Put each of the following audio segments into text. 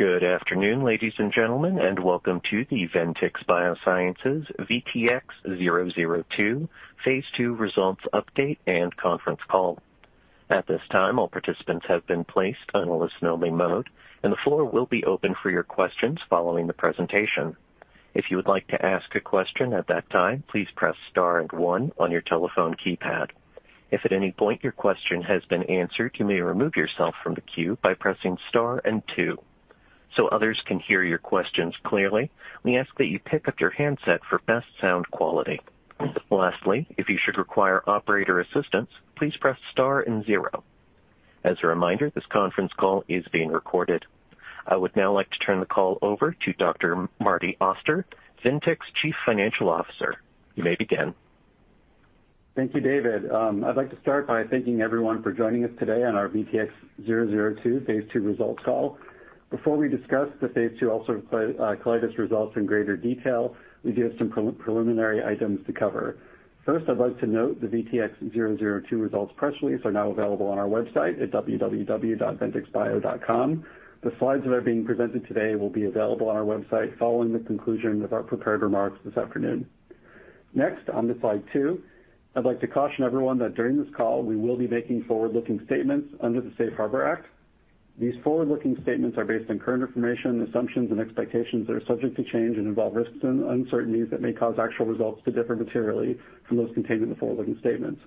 Good afternoon, ladies and gentlemen, and welcome to the Ventyx Biosciences VTX002 phase II Results Update and Conference Call. At this time, all participants have been placed on a listen-only mode, and the floor will be open for your questions following the presentation. If you would like to ask a question at that time, please press Star and One on your telephone keypad. If at any point your question has been answered, you may remove yourself from the queue by pressing star and two. So others can hear your questions clearly, we ask that you pick up your handset for best sound quality. Lastly, if you should require operator assistance, please press star and zero. As a reminder, this conference call is being recorded. I would now like to turn the call over to Dr. Marty Auster, Ventyx Chief Financial Officer. You may begin. Thank you, David. I'd like to start by thanking everyone for joining us today on our VTX002 phase II results call. Before we discuss the phase II ulcerative colitis results in greater detail, we do have some preliminary items to cover. First, I'd like to note the VTX002 results press release is now available on our website at www.ventyxbio.com. The slides that are being presented today will be available on our website following the conclusion of our prepared remarks this afternoon. Next, on the slide two, I'd like to caution everyone that during this call, we will be making forward-looking statements under the Safe Harbor Act. These forward-looking statements are based on current information, assumptions, and expectations that are subject to change and involve risks and uncertainties that may cause actual results to differ materially from those contained in the forward-looking statements.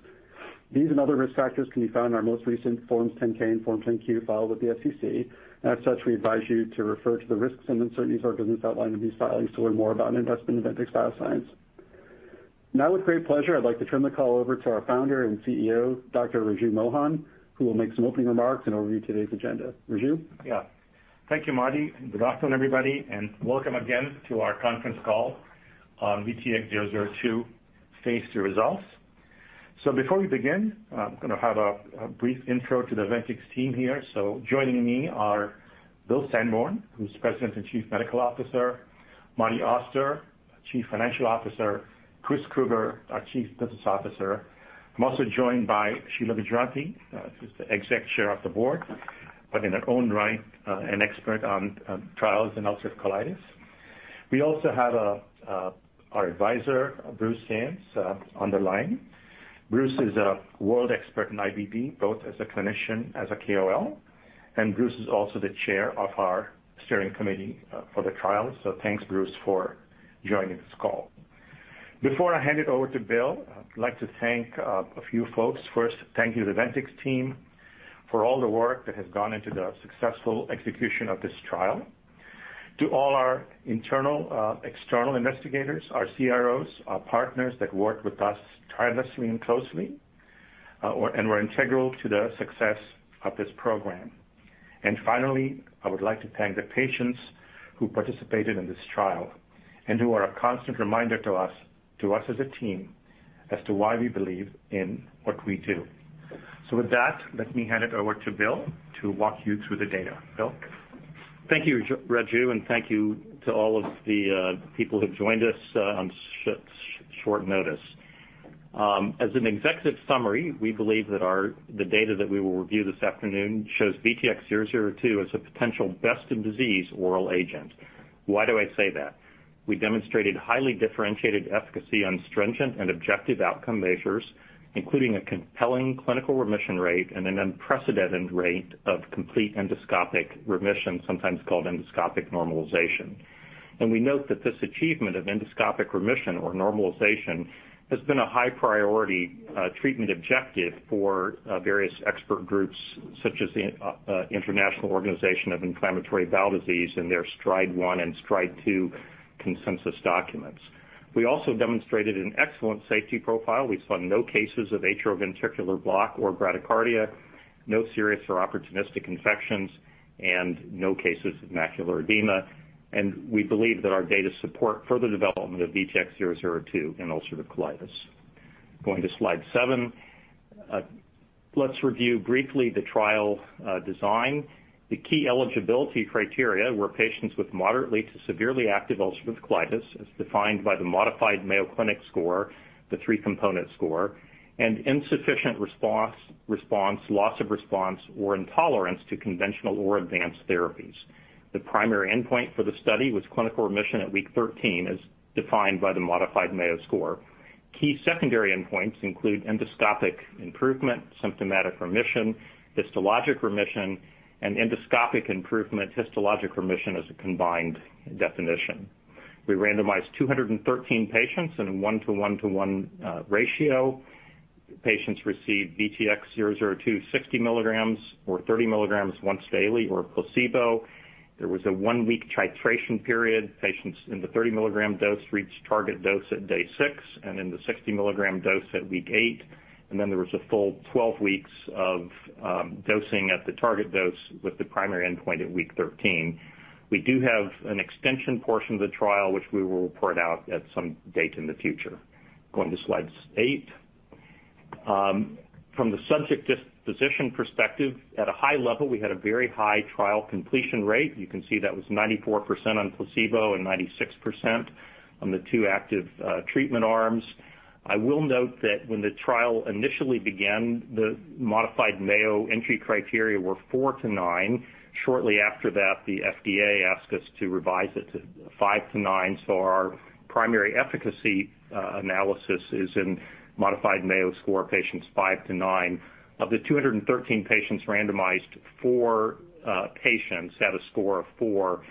These and other risk factors can be found in our most recent Forms 10-K and Forms 10-Q filed with the SEC, and as such, we advise you to refer to the risks and uncertainties or business outlined in these filings to learn more about an investment in Ventyx Biosciences. Now, with great pleasure, I'd like to turn the call over to our founder and CEO, Dr. Raju Mohan, who will make some opening remarks and overview today's agenda. Raju? Yeah. Thank you, Marty, and good afternoon, everybody, and welcome again to our conference call on VTX002 phase II results. Before we begin, I'm gonna have a brief intro to the Ventyx team here. Joining me are Bill Sandborn, who's President and Chief Medical Officer; Marty Auster, Chief Financial Officer; Chris Krueger, our Chief Business Officer. I'm also joined by Sheila Gujrathi, who's the Executive Chair of the Board, but in her own right, an expert on trials in ulcerative colitis. We also have our advisor, Bruce Sands, on the line. Bruce is a world expert in IBD, both as a clinician, as a KOL, and Bruce is also the chair of our steering committee for the trial. Thanks, Bruce, for joining this call. Before I hand it over to Bill, I'd like to thank a few folks. First, thank you to the Ventyx team for all the work that has gone into the successful execution of this trial. To all our internal external investigators, our CROs, our partners that work with us tirelessly and closely, and were integral to the success of this program. And finally, I would like to thank the patients who participated in this trial and who are a constant reminder to us, to us as a team, as to why we believe in what we do. So with that, let me hand it over to Bill to walk you through the data. Bill? Thank you, Raju, and thank you to all of the people who've joined us on short notice. As an executive summary, we believe that the data that we will review this afternoon shows VTX002 as a potential best-in-disease oral agent. Why do I say that? We demonstrated highly differentiated efficacy on stringent and objective outcome measures, including a compelling clinical remission rate and an unprecedented rate of complete endoscopic remission, sometimes called endoscopic normalization. We note that this achievement of endoscopic remission or normalization has been a high priority treatment objective for various expert groups such as the International Organization for the Study of Inflammatory Bowel Disease and their STRIDE one and STRIDE two consensus documents. We also demonstrated an excellent safety profile. We saw no cases of atrioventricular block or bradycardia, no serious or opportunistic infections, and no cases of macular edema. We believe that our data support further development of VTX002 in ulcerative colitis. Going to slide seven. Let's review briefly the trial design. The key eligibility criteria were patients with moderately to severely active ulcerative colitis, as defined by the modified Mayo Clinic score, the three-component score, and insufficient response, response, loss of response, or intolerance to conventional or advanced therapies. The primary endpoint for the study was clinical remission at week 13, as defined by the modified Mayo score. Key secondary endpoints include endoscopic improvement, symptomatic remission, histologic remission, and endoscopic improvement, histologic remission as a combined definition. We randomized 213 patients in a 1-1-1 ratio. Patients received VTX002, 60 milligrams or 30 milligrams once daily or placebo. There was a one-week titration period. Patients in the 30-milligram dose reached target dose at day six, and in the 60-milligram dose at week eight, and then there was a full 12 weeks of dosing at the target dose with the primary endpoint at week 13. We do have an extension portion of the trial, which we will report out at some date in the future. Going to slide eight. From the subject disposition perspective, at a high level, we had a very high trial completion rate. You can see that was 94% on placebo and 96% on the two active treatment arms. I will note that when the trial initially began, the modified Mayo entry criteria were four to nine. Shortly after that, the FDA asked us to revise it to five to nine, so our primary efficacy analysis is in modified Mayo score patients five to nine. Of the 213 patients randomized, four patients had a score of four.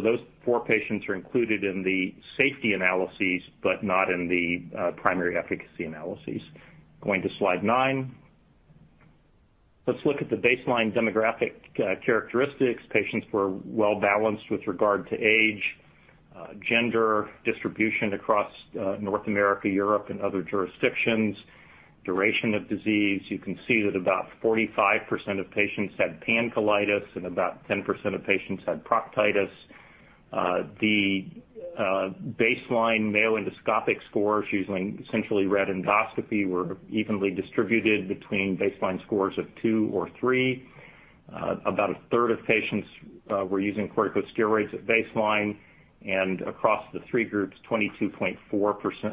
Those four patients are included in the safety analyses, but not in the primary efficacy analyses. Going to slide nine. Let's look at the baseline demographic characteristics. Patients were well-balanced with regard to age, gender, distribution across North America, Europe, and other jurisdictions, duration of disease. You can see that about 45% of patients had pancolitis, and about 10% of patients had proctitis. The baseline Mayo endoscopic scores, using essentially read endoscopy, were evenly distributed between baseline scores of two or three. About a third of patients were using corticosteroids at baseline, and across the three groups, 22.4%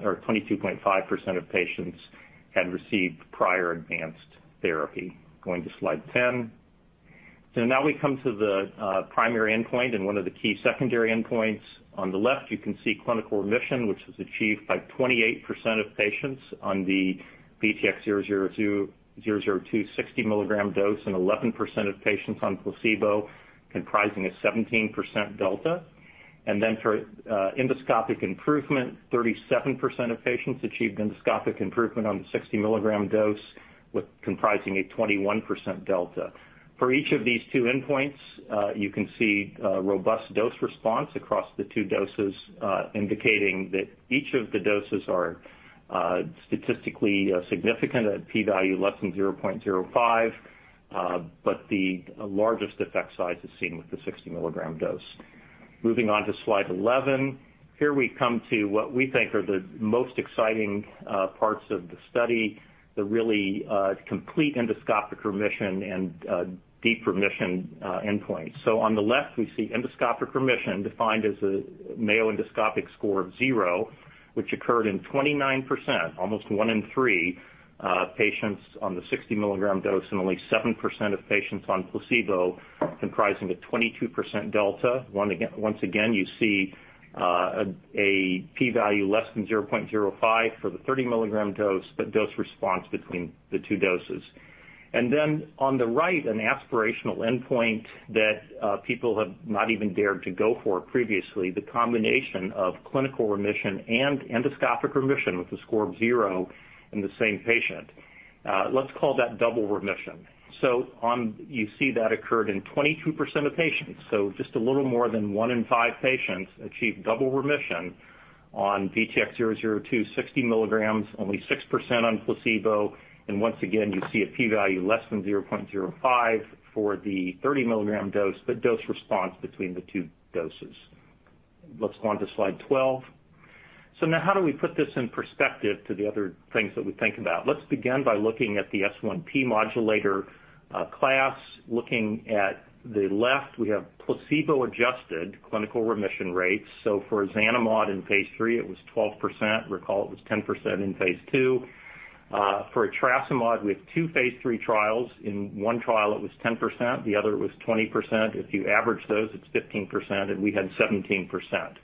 or 22.5% of patients had received prior advanced therapy. Going to slide 10. So now we come to the primary endpoint and one of the key secondary endpoints. On the left, you can see clinical remission, which was achieved by 28% of patients on the VTX002 60 mg dose, and 11% of patients on placebo, comprising a 17% delta. And then for endoscopic improvement, 37% of patients achieved endoscopic improvement on the 60 mg dose, with comprising a 21% delta. For each of these two endpoints, you can see robust dose response across the two doses, indicating that each of the doses are statistically significant at p-value less than 0.05, but the largest effect size is seen with the 60 milligram dose. Moving on to slide 11. Here we come to what we think are the most exciting parts of the study, the really complete endoscopic remission and deep remission endpoint. So on the left, we see endoscopic remission defined as a Mayo endoscopic score of zero, which occurred in 29%, almost one in three, patients on the 60 milligram dose, and only 7% of patients on placebo, comprising a 22% delta. Once again, you see a p-value less than 0.05 for the 30 mg dose, but dose response between the two doses. On the right, an aspirational endpoint that people have not even dared to go for previously, the combination of clinical remission and endoscopic remission with a score of zero in the same patient. Let's call that double remission. You see that occurred in 22% of patients, so just a little more than one in five patients achieved double remission on VTX002, 60 mg, only 6% on placebo. Once again, you see a p-value less than 0.05 for the 30 mg dose, but dose response between the two doses. Let's go on to slide 12. So now how do we put this in perspective to the other things that we think about? Let's begin by looking at the S1P modulator class. Looking at the left, we have placebo-adjusted clinical remission rates. So for ozanimod in phase III, it was 12%. Recall, it was 10% in phase II. For etrasimod, we have two phase III trials. In one trial, it was 10%, the other it was 20%. If you average those, it's 15%, and we had 17%.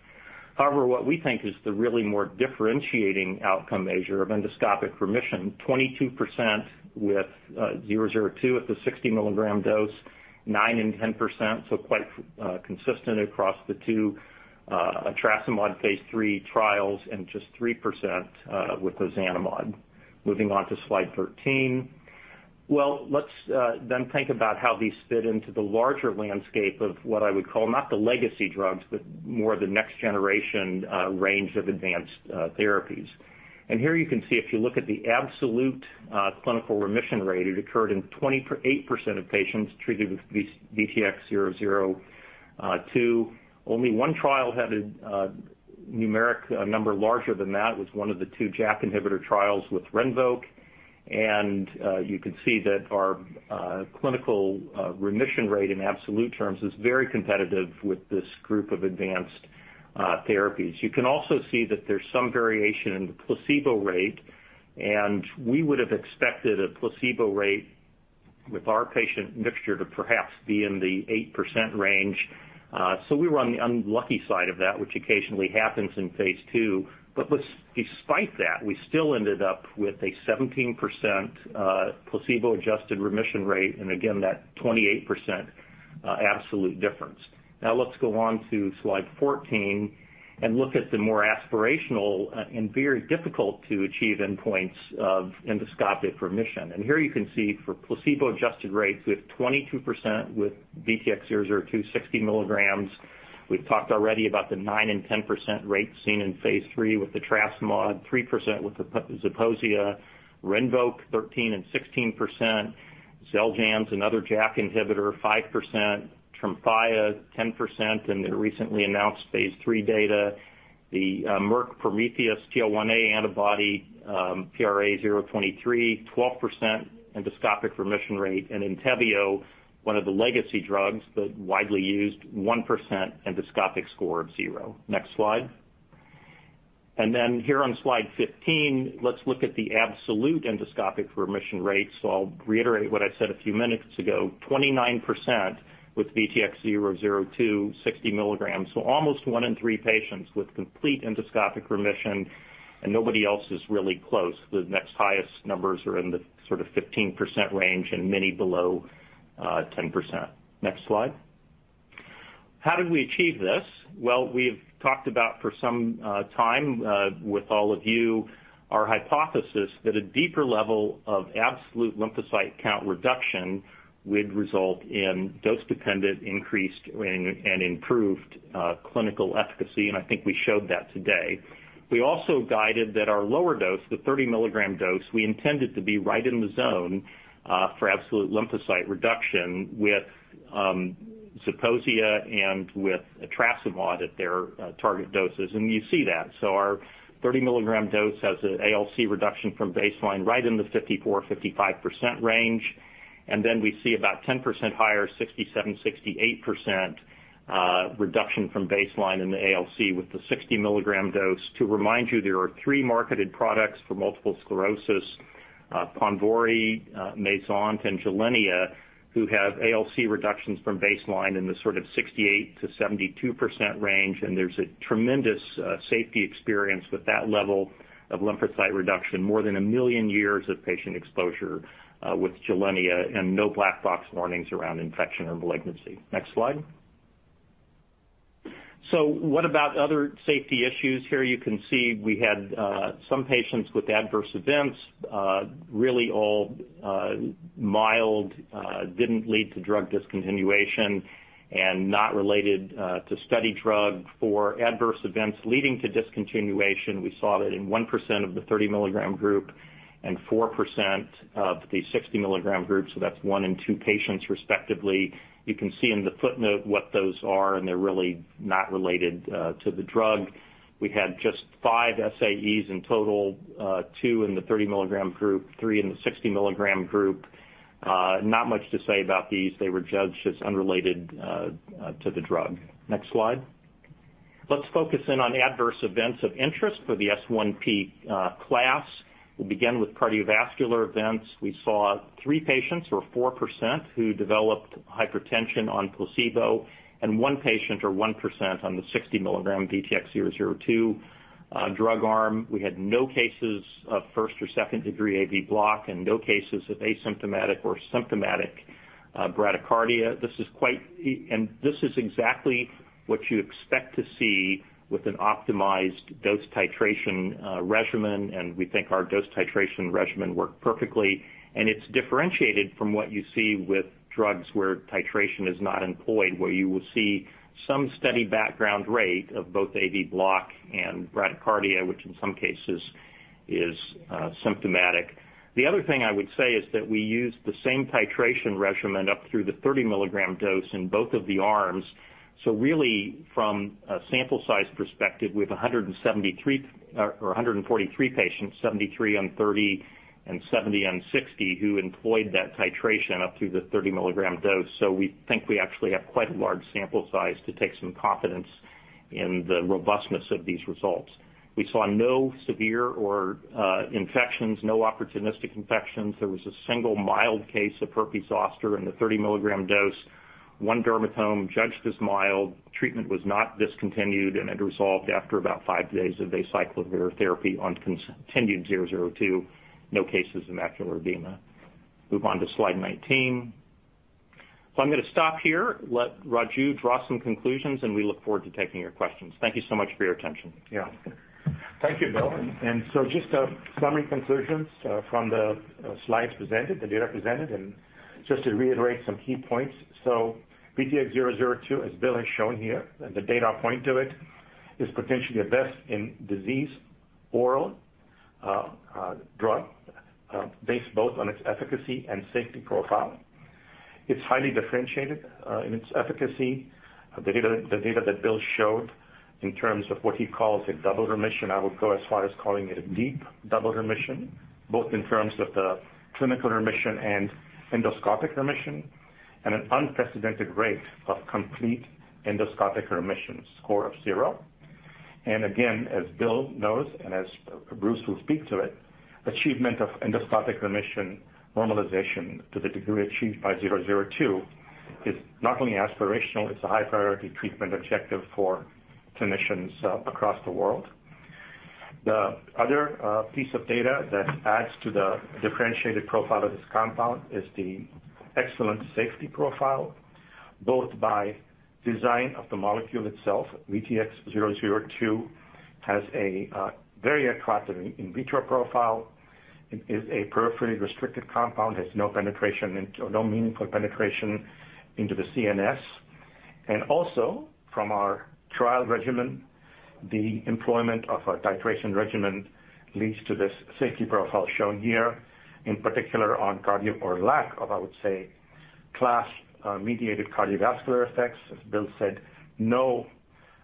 However, what we think is the really more differentiating outcome measure of endoscopic remission, 22% with 002 at the 60 milligram dose, 9% and 10%, so quite consistent across the two etrasimod phase III trials, and just 3% with the ozanimod. Moving on to slide 13. Well, let's then think about how these fit into the larger landscape of what I would call, not the legacy drugs, but more the next generation range of advanced therapies. And here you can see, if you look at the absolute clinical remission rate, it occurred in 28% of patients treated with VTX002. Only one trial had a number larger than that, was one of the two JAK inhibitor trials with RINVOQ. And you can see that our clinical remission rate in absolute terms is very competitive with this group of advanced therapies. You can also see that there's some variation in the placebo rate, and we would have expected a placebo rate with our patient mixture to perhaps be in the 8% range. We were on the unlucky side of that, which occasionally happens in phase II. But despite that, we still ended up with a 17% placebo-adjusted remission rate, and again, that 28% absolute difference. Now, let's go on to slide 14 and look at the more aspirational and very difficult to achieve endpoints of endoscopic remission. Here you can see for placebo-adjusted rates, we have 22% with VTX002, 60 mg. We've talked already about the 9% and 10% rates seen in phase III with the etrasimod, 3% with the Zeposia, RINVOQ, 13% and 16%, Xeljanz, another JAK inhibitor, 5%, Tremfya, 10% in their recently announced phase III data. The Merck Prometheus TL1A antibody, PRA-023, 12% endoscopic remission rate. Entyvio, one of the legacy drugs, but widely used, 1% endoscopic score of zero. Next slide. And then here on slide 15, let's look at the absolute endoscopic remission rates. So I'll reiterate what I said a few minutes ago, 29% with VTX002, 60 milligrams. So almost one in three patients with complete endoscopic remission, and nobody else is really close. The next highest numbers are in the sort of 15% range, and many below 10%. Next slide. How did we achieve this? Well, we've talked about for some time with all of you, our hypothesis that a deeper level of absolute lymphocyte count reduction would result in dose-dependent increased and improved clinical efficacy, and I think we showed that today. We also guided that our lower dose, the 30 milligram dose, we intended to be right in the zone for absolute lymphocyte reduction with Zeposia and with etrasimod at their target doses, and you see that. So our 30 milligram dose has an ALC reduction from baseline right in the 54%-55% range. And then we see about 10% higher, 67%-68% reduction from baseline in the ALC with the 60 milligram dose. To remind you, there are three marketed products for multiple sclerosis, Ponvory, Mayzent, and Gilenya, who have ALC reductions from baseline in the sort of 68%-72% range. And there's a tremendous safety experience with that level of lymphocyte reduction, more than 1 million years of patient exposure with Gilenya, and no black box warnings around infection or malignancy. Next slide. So what about other safety issues? Here you can see we had some patients with adverse events, really all mild, didn't lead to drug discontinuation and not related to study drug. For adverse events leading to discontinuation, we saw it in 1% of the 30-milligram group and 4% of the 60-milligram group, so that's 1 in 2 patients, respectively. You can see in the footnote what those are, and they're really not related to the drug. We had just 5 SAEs in total, 2 in the 30-milligram group, 3 in the 60-milligram group. Not much to say about these. They were judged as unrelated to the drug. Next slide. Let's focus in on adverse events of interest for the S1P class. We'll begin with cardiovascular events. We saw 3 patients, or 4%, who developed hypertension on placebo, and 1 patient, or 1%, on the 60 mg VTX002 drug arm. We had no cases of first- or second-degree AV block and no cases of asymptomatic or symptomatic bradycardia. This is exactly what you expect to see with an optimized dose titration regimen, and we think our dose titration regimen worked perfectly. It's differentiated from what you see with drugs where titration is not employed, where you will see some steady background rate of both AV block and bradycardia, which in some cases is symptomatic. The other thing I would say is that we use the same titration regimen up through the 30 mg dose in both of the arms. So really, from a sample size perspective, we have 173, or 143 patients, 73 on 30 and 70 on 60, who employed that titration up through the 30 milligram dose. So we think we actually have quite a large sample size to take some confidence in the robustness of these results. We saw no severe or infections, no opportunistic infections. There was a single mild case of herpes zoster in the 30 milligram dose. One dermatome judged as mild. Treatment was not discontinued, and it resolved after about 5 days of acyclovir therapy on continued zero zero two. No cases of macular edema. Move on to slide 19. So I'm going to stop here, let Raju draw some conclusions, and we look forward to taking your questions. Thank you so much for your attention. Yeah. Thank you, Bill. Just a summary conclusions from the slides presented, the data presented, and just to reiterate some key points. So VTX002, as Bill has shown here, and the data point to it, is potentially the best in disease oral drug based both on its efficacy and safety profile. It's highly differentiated in its efficacy. The data that Bill showed in terms of what he calls a double remission, I would go as far as calling it a deep double remission, both in terms of the clinical remission and endoscopic remission, and an unprecedented rate of complete endoscopic remission score of zero. And again, as Bill knows, and as Bruce will speak to it, achievement of endoscopic remission normalization to the degree achieved by VTX002 is not only aspirational, it's a high priority treatment objective for clinicians across the world. The other piece of data that adds to the differentiated profile of this compound is the excellent safety profile, both by design of the molecule itself. VTX002 has a very attractive in vitro profile. It is a peripherally restricted compound, has no penetration into, no meaningful penetration into the CNS. And also, from our trial regimen, the employment of our titration regimen leads to this safety profile shown here, in particular, on cardio or lack of, I would say, class mediated cardiovascular effects. As Bill said, no,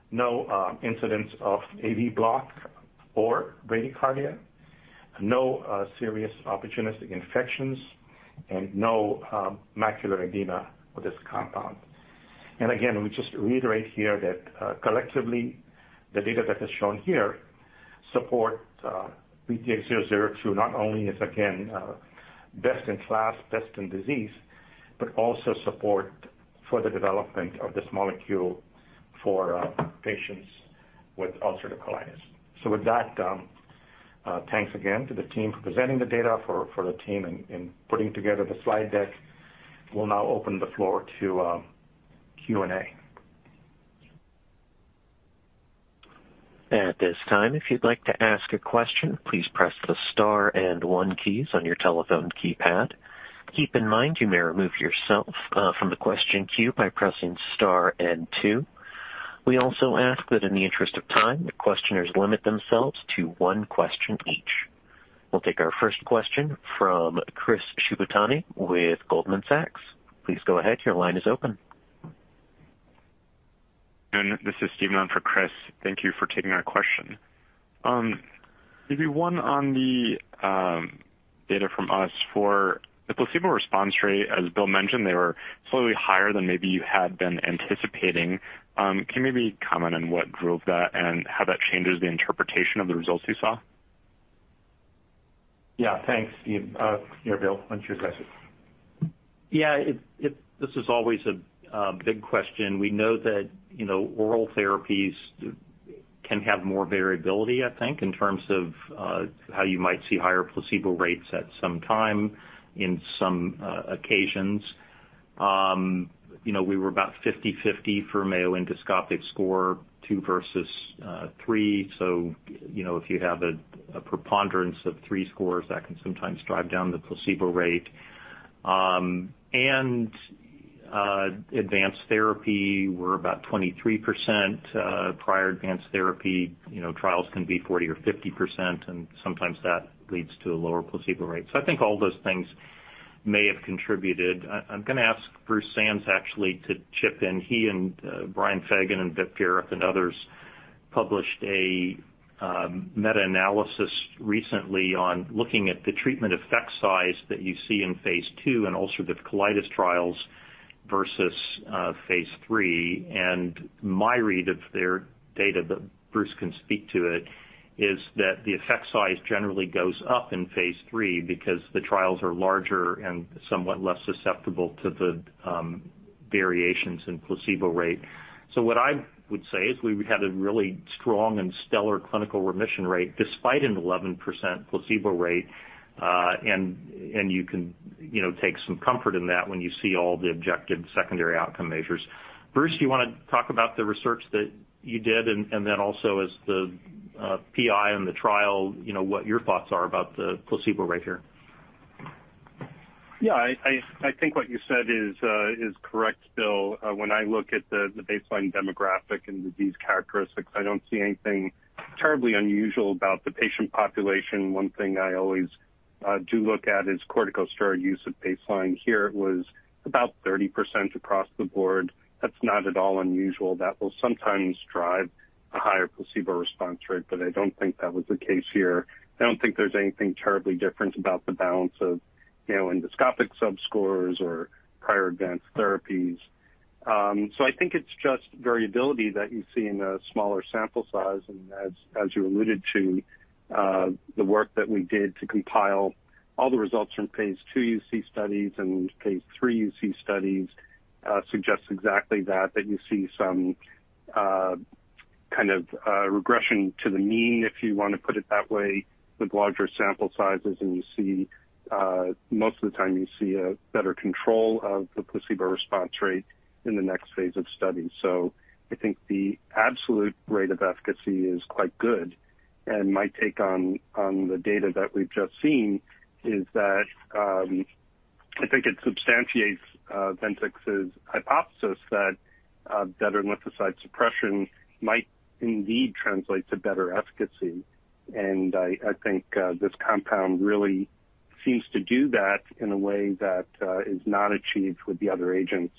no incidents of AV block or bradycardia. No serious opportunistic infections and no macular edema with this compound. And again, we just reiterate here that, collectively, the data that is shown here support VTX002, not only is, again, best in class, best in disease, but also support for the development of this molecule for patients with ulcerative colitis. So with that, thanks again to the team for presenting the data, for the team putting together the slide deck. We'll now open the floor to Q&A. At this time, if you'd like to ask a question, please press the star and one keys on your telephone keypad. Keep in mind, you may remove yourself from the question queue by pressing star and two. We also ask that in the interest of time, questioners limit themselves to one question each. We'll take our first question from Chris Shibutani with Goldman Sachs. Please go ahead. Your line is open. This is Steve on for Chris. Thank you for taking our question. Maybe one on the data from the U.S. For the placebo response rate, as Bill mentioned, they were slightly higher than maybe you had been anticipating. Can you maybe comment on what drove that and how that changes the interpretation of the results you saw? Yeah. Thanks, Steve. Yeah, Bill, why don't you address it? Yeah, this is always a big question. We know that, you know, oral therapies can have more variability, I think, in terms of how you might see higher placebo rates at some time in some occasions. You know, we were about 50/50 for Mayo Endoscopic Score, 2 versus 3. So, you know, if you have a preponderance of 3 scores, that can sometimes drive down the placebo rate. And advanced therapy were about 23%, prior advanced therapy, you know, trials can be 40% or 50%, and sometimes that leads to a lower placebo rate. So I think all those things may have contributed. I'm gonna ask Bruce Sands actually to chip in. He and Brian Feagan and Vipul Jairath and others published a meta-analysis recently on looking at the treatment effect size that you see in phase II and ulcerative colitis trials versus phase III. My read of their data, but Bruce can speak to it, is that the effect size generally goes up in phase III because the trials are larger and somewhat less susceptible to the variations in placebo rate. So what I would say is we had a really strong and stellar clinical remission rate, despite an 11% placebo rate, and you can, you know, take some comfort in that when you see all the objective secondary outcome measures. Bruce, do you wanna talk about the research that you did, and then also as the PI in the trial, you know, what your thoughts are about the placebo rate here? Yeah, I think what you said is correct, Bill. When I look at the baseline demographic and the disease characteristics, I don't see anything terribly unusual about the patient population. One thing I always do look at is corticosteroid use at baseline. Here it was about 30% across the board. That's not at all unusual. That will sometimes drive a higher placebo response rate, but I don't think that was the case here. I don't think there's anything terribly different about the balance of, you know, endoscopic subscores or prior advanced therapies. So I think it's just variability that you see in a smaller sample size, and as you alluded to, the work that we did to compile all the results from phase II UC studies and phase III UC studies suggests exactly that, that you see some kind of regression to the mean, if you wanna put it that way, with larger sample sizes. And you see, most of the time you see a better control of the placebo response rate in the next phase of study. So I think the absolute rate of efficacy is quite good. And my take on the data that we've just seen is that, I think it substantiates Ventyx's hypothesis that better lymphocyte suppression might indeed translate to better efficacy. I think this compound really seems to do that in a way that is not achieved with the other agents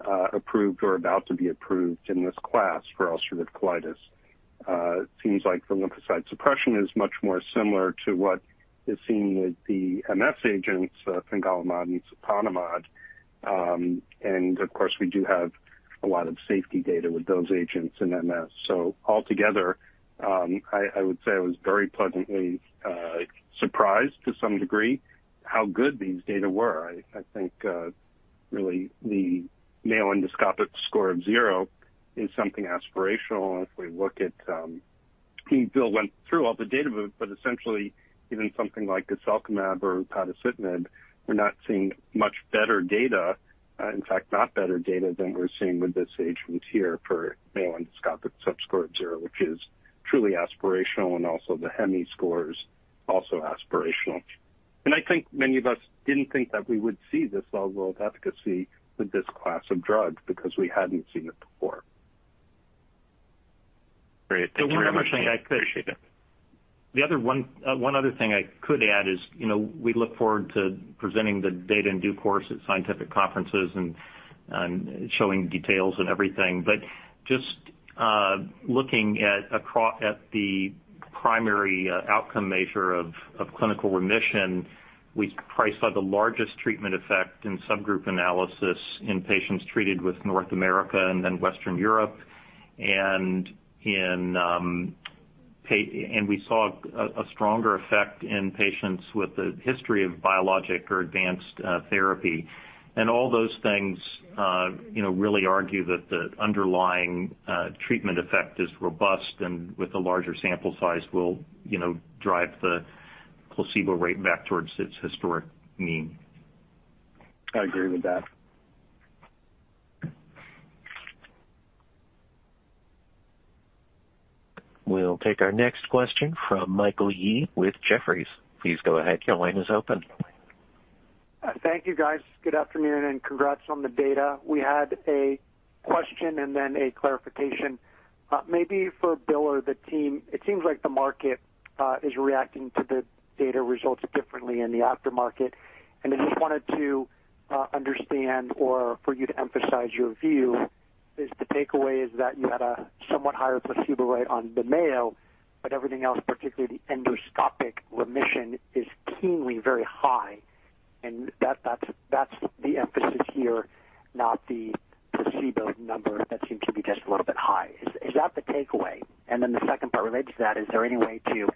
approved or about to be approved in this class for ulcerative colitis. It seems like the lymphocyte suppression is much more similar to what is seen with the MS agents, fingolimod and siponimod. And of course, we do have a lot of safety data with those agents in MS. Altogether, I would say I was very pleasantly, surprised to some degree how good these data were. I think really, the Mayo Endoscopic Score of zero is something aspirational. If we look at, I think Bill went through all the data, but essentially, even something like guselkumab or adalimumab, we're not seeing much better data. In fact, not better data than we're seeing with this agent here for Mayo Endoscopic Subscore of zero, which is truly aspirational, and also the HEMI scores, also aspirational. I think many of us didn't think that we would see this level of efficacy with this class of drugs because we hadn't seen it before. Great. Thank you very much. I appreciate it. The other one, one other thing I could add is, you know, we look forward to presenting the data in due course at scientific conferences, and showing details and everything. But just looking across at the primary outcome measure of clinical remission, we probably saw the largest treatment effect in subgroup analysis in patients treated in North America and then Western Europe. And in patients and we saw a stronger effect in patients with a history of biologic or advanced therapy. And all those things, you know, really argue that the underlying treatment effect is robust, and with a larger sample size, will, you know, drive the placebo rate back towards its historic mean. I agree with that. We'll take our next question from Michael Yee with Jefferies. Please go ahead. Your line is open. Thank you, guys. Good afternoon, and congrats on the data. We had a question and then a clarification, maybe for Bill or the team. It seems like the market is reacting to the data results differently in the aftermarket, and I just wanted to understand or for you to emphasize your view. Is the takeaway is that you had a somewhat higher placebo rate on the Mayo, but everything else, particularly the endoscopic remission, is keenly very high, and that's, that's the emphasis here, not the placebo number that seemed to be just a little bit high. Is, is that the takeaway? And then the second part related to that, is there any way to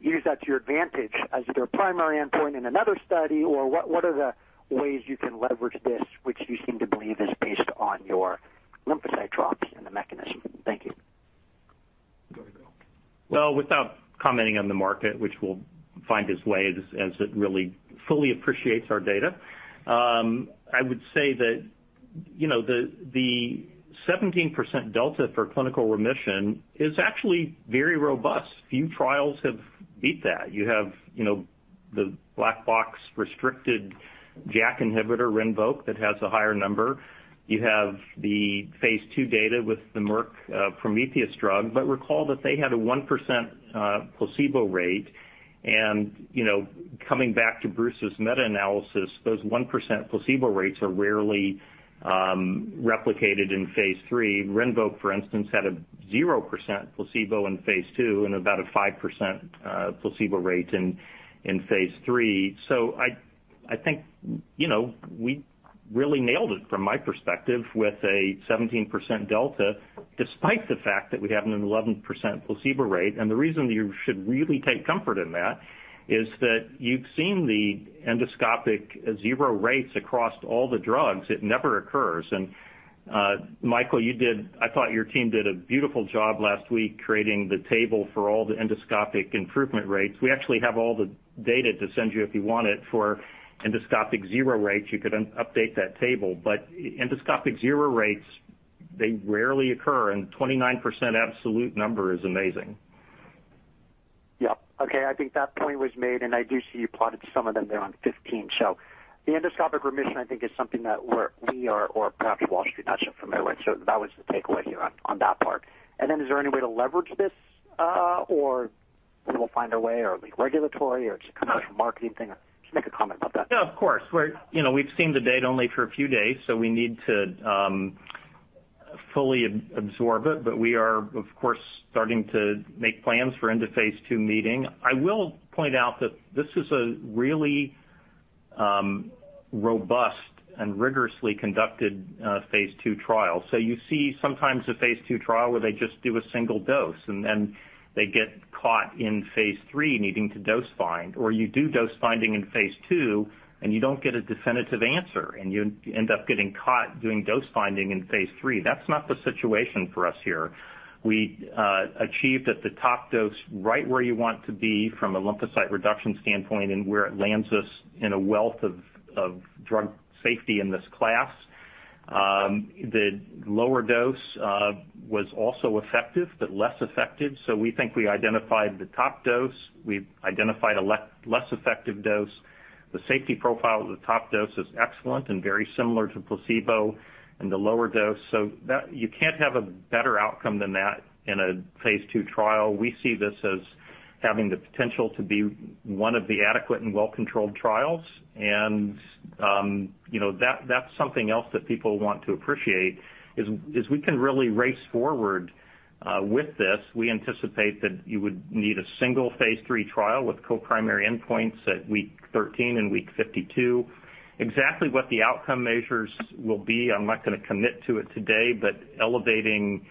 use that to your advantage as your primary endpoint in another study? Or what, what are the ways you can leverage this, which you seem to believe is based on your lymphocyte drops and the mechanism? Thank you. Well, without commenting on the market, which will find its way as, as it really fully appreciates our data, I would say that, you know, the, the 17% delta for clinical remission is actually very robust. Few trials have beat that. You have, you know, the black box restricted JAK inhibitor, RINVOQ, that has a higher number. You have the phase II data with the Merck, Prometheus drug, but recall that they had a 1%, placebo rate. And, you know, coming back to Bruce's meta-analysis, those 1% placebo rates are rarely, replicated in phase III. RINVOQ, for instance, had a 0% placebo in phase II and about a 5%, placebo rate in, in phase III. So I think, you know, we really nailed it from my perspective, with a 17% delta, despite the fact that we have an 11% placebo rate. And the reason you should really take comfort in that is that you've seen the endoscopic zero rates across all the drugs. It never occurs. And, Michael, you did. I thought your team did a beautiful job last week creating the table for all the endoscopic improvement rates. We actually have all the data to send you if you want it, for endoscopic zero rates. You could update that table, but endoscopic zero rates, they rarely occur, and 29% absolute number is amazing. Yeah. Okay, I think that point was made, and I do see you plotted some of them there on 15. So the endoscopic remission, I think, is something that we're—we are, or perhaps Wall Street, not so familiar with. So that was the takeaway here on that part. And then is there any way to leverage this, or people find a way or regulatory or it's a commercial marketing thing? Just make a comment about that. Yeah, of course. We're, you know, we've seen the data only for a few days, so we need to fully absorb it. But we are, of course, starting to make plans for end of phase II meeting. I will point out that this is a really robust and rigorously conducted phase II trial. So you see sometimes a phase II trial where they just do a single dose, and then they get caught in phase III, needing to dose find, or you do dose finding in phase II, and you don't get a definitive answer, and you end up getting caught doing dose finding in phase III. That's not the situation for us here. We achieved at the top dose, right where you want to be from a lymphocyte reduction standpoint and where it lands us in a wealth of drug safety in this class. The lower dose was also effective, but less effective. So we think we identified the top dose. We've identified a less effective dose. The safety profile of the top dose is excellent and very similar to placebo and the lower dose, so that, you can't have a better outcome than that in a phase II trial. We see this as having the potential to be one of the adequate and well-controlled trials. And, you know, that, that's something else that people want to appreciate, is we can really race forward with this. We anticipate that you would need a single phase III trial with co-primary endpoints at week 13 and week 52. Exactly what the outcome measures will be, I'm not gonna commit to it today, but elevating,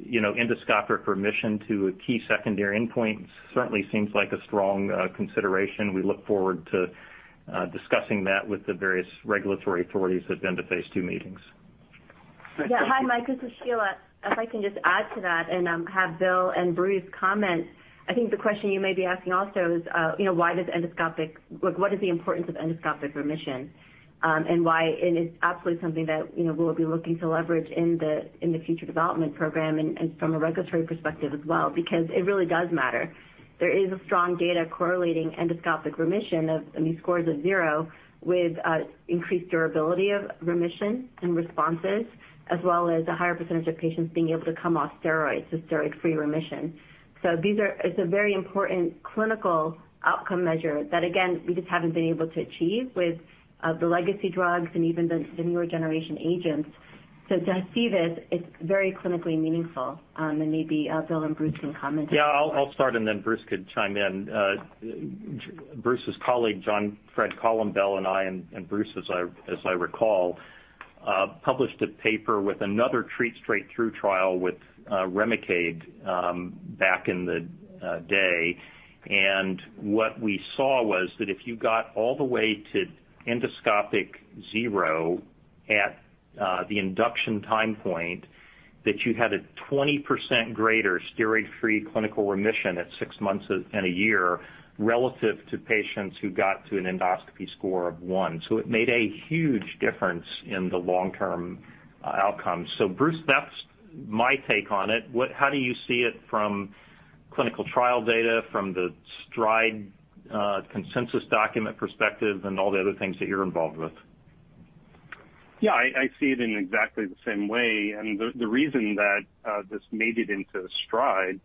you know, endoscopic remission to a key secondary endpoint certainly seems like a strong consideration. We look forward to discussing that with the various regulatory authorities at the end of phase II meetings. Yeah. Hi, Mike, this is Sheila. If I can just add to that and have Bill and Bruce comment. I think the question you may be asking also is, you know, why does endoscopic—like, what is the importance of endoscopic remission? You know, why, and it's absolutely something that, you know, we'll be looking to leverage in the future development program and from a regulatory perspective as well, because it really does matter. There is strong data correlating endoscopic remission of, I mean, scores of zero with increased durability of remission and responses, as well as a higher percentage of patients being able to come off steroids, so steroid-free remission. These are, it's a very important clinical outcome measure that, again, we just haven't been able to achieve with the legacy drugs and even the newer generation agents. To see this, it's very clinically meaningful, and maybe Bill and Bruce can comment. Yeah, I'll start, and then Bruce could chime in. Bruce's colleague, Jean-Fred Colombel, and I, and Bruce, as I recall, published a paper with another treat straight through trial with Remicade, back in the day. What we saw was that if you got all the way to endoscopic zero at the induction time point, you had a 20% greater steroid-free clinical remission at six months and a year, relative to patients who got to an endoscopy score of one. It made a huge difference in the long-term outcome. Bruce, that's my take on it. How do you see it from clinical trial data, from the STRIDE consensus document perspective, and all the other things that you're involved with? Yeah, I see it in exactly the same way. And the reason that this made it into STRIDE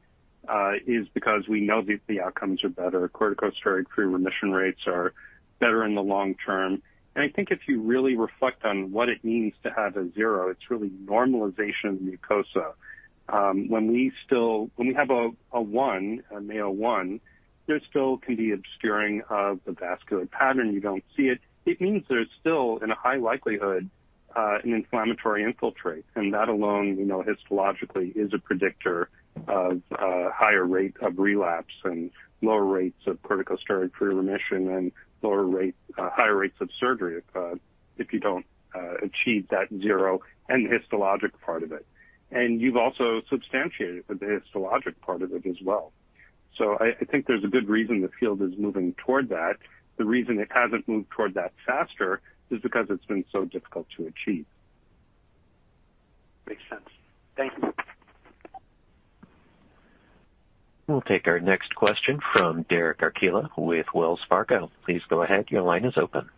is because we know that the outcomes are better. Corticosteroid-free remission rates are better in the long term. And I think if you really reflect on what it means to have a zero, it's really normalization of mucosa. When we have a one, a Mayo one, there still can be obscuring of the vascular pattern, you don't see it. It means there's still, in a high likelihood, an inflammatory infiltrate, and that alone, you know, histologically, is a predictor of higher rate of relapse and lower rates of corticosteroid-free remission and lower rate, higher rates of surgery, if you don't achieve that zero and the histologic part of it. You've also substantiated the histologic part of it as well. I think there's a good reason the field is moving toward that. The reason it hasn't moved toward that faster is because it's been so difficult to achieve. Makes sense. Thank you. We'll take our next question from Derek Archila with Wells Fargo. Please go ahead. Your line is open.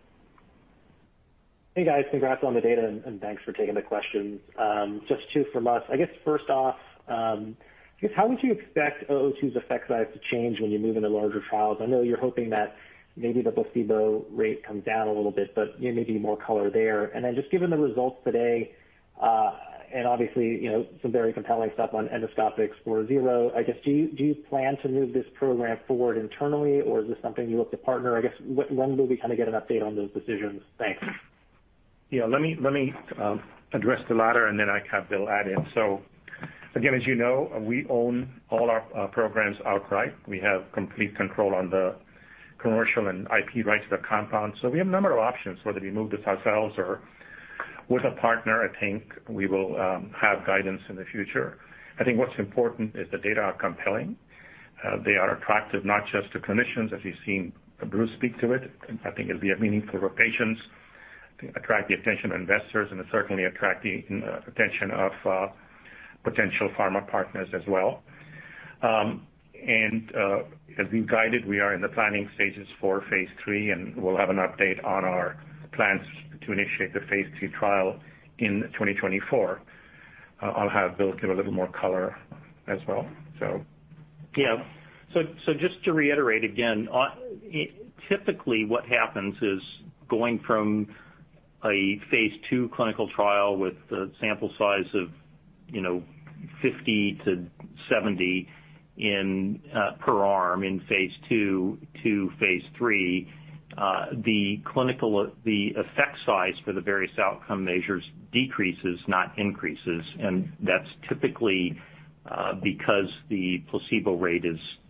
Hey, guys. Congrats on the data, and thanks for taking the questions. Just two from us. I guess first off, I guess how would you expect VTX002's effect size to change when you move into larger trials? I know you're hoping that maybe the placebo rate comes down a little bit, but, you know, maybe more color there. And then just given the results today, and obviously, you know, some very compelling stuff on endoscopic score zero, I guess, do you plan to move this program forward internally, or is this something you look to partner? I guess, when do we kind of get an update on those decisions? Thanks. Yeah, let me address the latter, and then I'll have Bill add in. So again, as you know, we own all our programs outright. We have complete control on the commercial and IP rights of the compound. So we have a number of options, whether we move this ourselves or with a partner. I think we will have guidance in the future. I think what's important is the data are compelling. They are attractive not just to clinicians, as you've seen Bruce speak to it. I think it'll be a meaningful for patients, attract the attention of investors, and it certainly attract the attention of potential pharma partners as well. And as we've guided, we are in the planning stages for phase III, and we'll have an update on our plans to initiate the phase III trial in 2024. I'll have Bill give a little more color as well, so. Yeah. So just to reiterate again, typically what happens is, going from a phase II clinical trial with a sample size of, you know, 50-70 per arm in phase II to phase III, the clinical effect size for the various outcome measures decreases, not increases, and that's typically because the placebo rate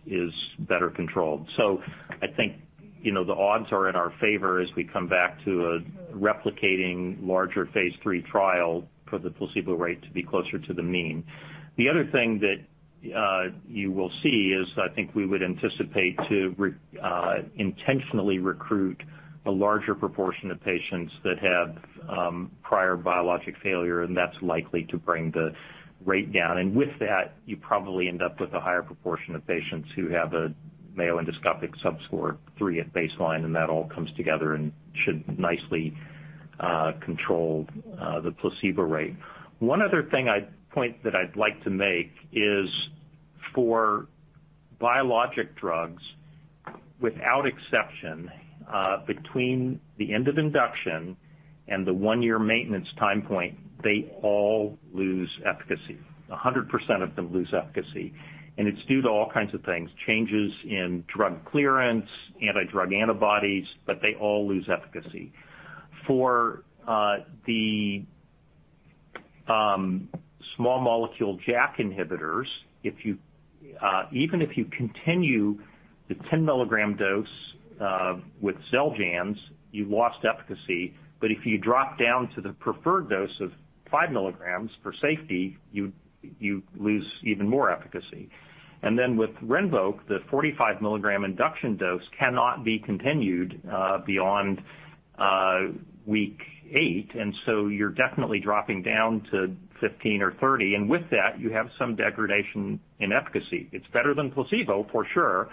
is better controlled. So I think, you know, the odds are in our favor as we come back to a replicating larger phase III trial for the placebo rate to be closer to the mean. The other thing that you will see is, I think we would anticipate to intentionally recruit a larger proportion of patients that have prior biologic failure, and that's likely to bring the rate down. With that, you probably end up with a higher proportion of patients who have a Mayo endoscopic subscore 3 at baseline, and that all comes together and should nicely control the placebo rate. One other thing I'd like to make is for biologic drugs, without exception, between the end of induction and the one-year maintenance time point, they all lose efficacy. 100% of them lose efficacy, and it's due to all kinds of things, changes in drug clearance, anti-drug antibodies, but they all lose efficacy. For the small molecule JAK inhibitors, even if you continue the 10-milligram dose with Xeljanz, you've lost efficacy. But if you drop down to the preferred dose of 5 milligrams for safety, you lose even more efficacy. Then with RINVOQ, the 45 milligram induction dose cannot be continued beyond week 8, and so you're definitely dropping down to 15 or 30. With that, you have some degradation in efficacy. It's better than placebo for sure,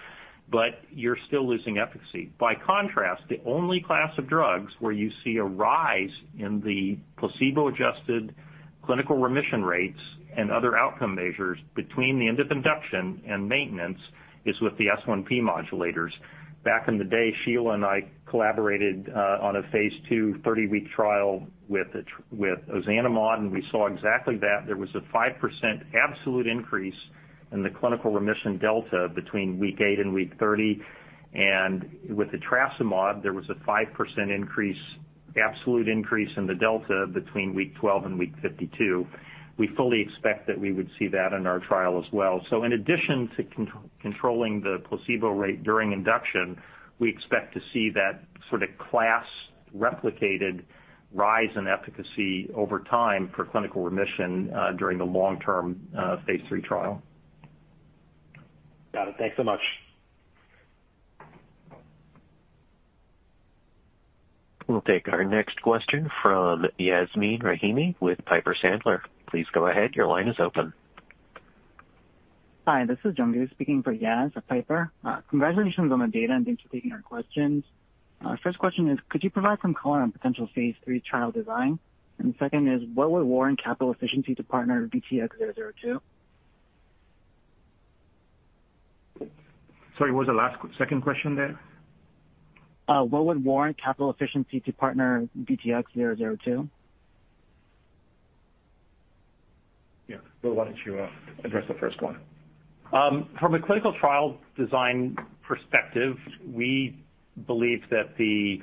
but you're still losing efficacy. By contrast, the only class of drugs where you see a rise in the placebo-adjusted clinical remission rates and other outcome measures between the end of induction and maintenance is with the S1P modulators. Back in the day, Sheila and I collaborated on a phase II 30-week trial with ozanimod, and we saw exactly that. There was a 5% absolute increase in the clinical remission delta between week 8 and week 30. With the etrasimod, there was a 5% increase, absolute increase in the delta between week 12 and week 52. We fully expect that we would see that in our trial as well. So in addition to controlling the placebo rate during induction, we expect to see that sort of class replicated rise in efficacy over time for clinical remission during the long-term phase III trial. Got it. Thanks so much. We'll take our next question from Yasmin Rahimi with Piper Sandler. Please go ahead. Your line is open. Hi, this is Jungu speaking for Yaz at Piper. Congratulations on the data, and thanks for taking our questions. First question is, could you provide some color on potential phase three trial design? And second is, what would warrant capital efficiency to partner VTX002? Sorry, what was the last, second question there? What would warrant capital efficiency to partner VTX002? Yeah. Well, why don't you address the first one? From a clinical trial design perspective, we believe that the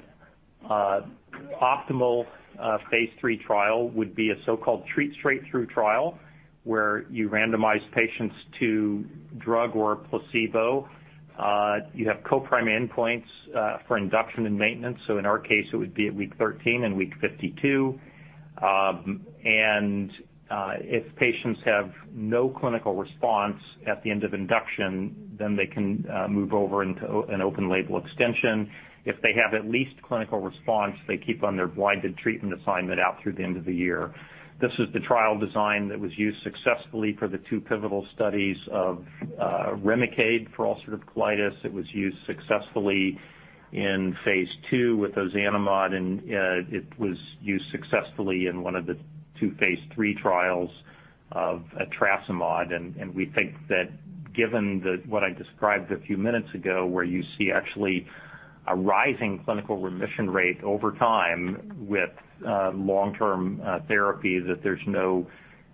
optimal phase three trial would be a so-called treat straight through trial, where you randomize patients to drug or placebo. You have co-primary endpoints for induction and maintenance. In our case, it would be at week 13 and week 52. If patients have no clinical response at the end of induction, then they can move over into an open label extension. If they have at least clinical response, they keep on their blinded treatment assignment out through the end of the year. This is the trial design that was used successfully for the two pivotal studies of Remicade for ulcerative colitis. It was used successfully in phase two with ozanimod, and it was used successfully in one of the two phase three trials of estrasimod. We think that given the what I described a few minutes ago, where you see actually a rising clinical remission rate over time with long-term therapy, that there's no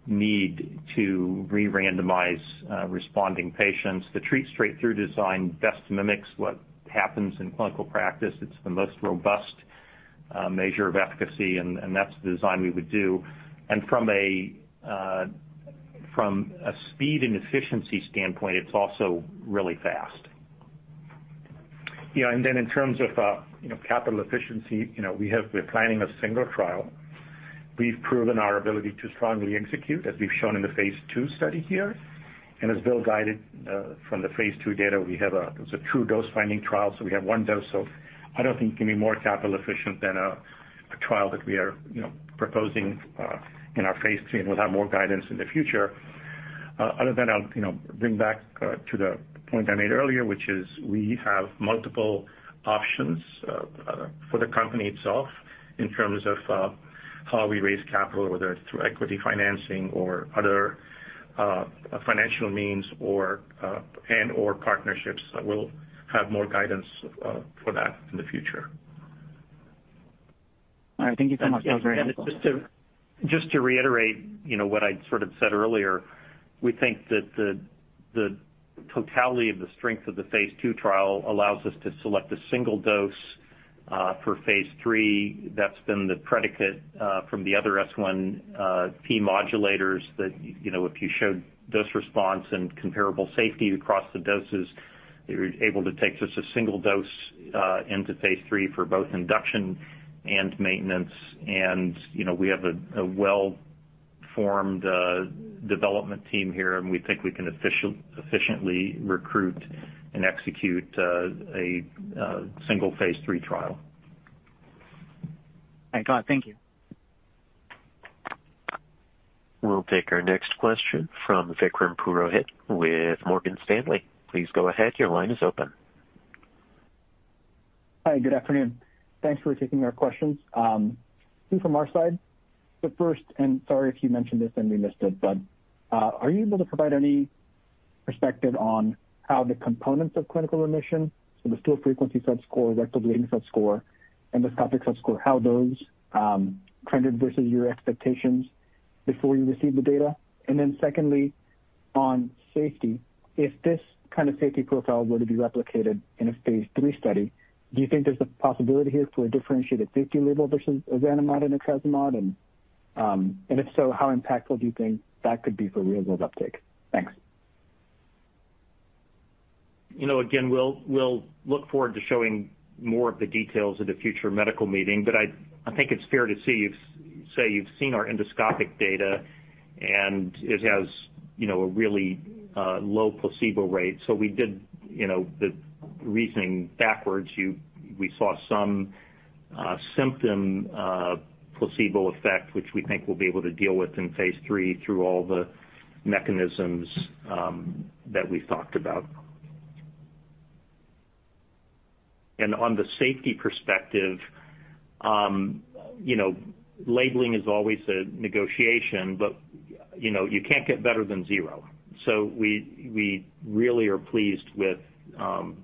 need to re-randomize responding patients. The treat straight through design best mimics what happens in clinical practice. It's the most robust measure of efficacy, and that's the design we would do. And from a speed and efficiency standpoint, it's also really fast. Yeah, and then in terms of, you know, capital efficiency, you know, we have, we're planning a single trial. We've proven our ability to strongly execute, as we've shown in the phase II study here. And as Bill guided, from the phase II data, we have, it's a true dose-finding trial, so we have one dose. So I don't think it can be more capital efficient than a trial that we are, you know, proposing, in our phase III, and we'll have more guidance in the future. Other than I'll, you know, bring back to the point I made earlier, which is we have multiple options, for the company itself in terms of, how we raise capital, whether it's through equity financing or other, financial means, or, and/or partnerships. We'll have more guidance for that in the future. All right. Thank you so much. Just to reiterate, you know, what I sort of said earlier, we think that the totality of the strength of the phase II trial allows us to select a single dose for phase III. That's been the predicate from the other S1P modulators, that, you know, if you showed dose response and comparable safety across the doses, you're able to take just a single dose into phase III for both induction and maintenance. And, you know, we have a well-formed development team here, and we think we can efficiently recruit and execute a single phase III trial. All right. Got it. Thank you. We'll take our next question from Vikram Purohit with Morgan Stanley. Please go ahead. Your line is open. Hi, good afternoon. Thanks for taking our questions. Two from our side. The first, and sorry if you mentioned this and we missed it, but, are you able to provide any perspective on how the components of clinical remission, so the stool frequency subscore, rectal bleeding subscore, and the endoscopic subscore, how those, trended versus your expectations before you received the data? And then secondly. On safety, if this kind of safety profile were to be replicated in a phase III study, do you think there's a possibility here for a differentiated safety label versus ozanimod and etrasimod? And, and if so, how impactful do you think that could be for real-world uptake? Thanks. You know, again, we'll look forward to showing more of the details at a future medical meeting. I think it's fair to say you've seen our endoscopic data, and it has a really low placebo rate. We did the reasoning backwards, you know, we saw some symptom placebo effect, which we think we'll be able to deal with in phase three through all the mechanisms that we've talked about. On the safety perspective, you know, labeling is always a negotiation, but you can't get better than zero. We really are pleased with